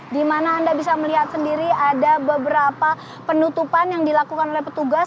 di mana anda bisa melihat sendiri ada beberapa penutupan yang dilakukan oleh petugas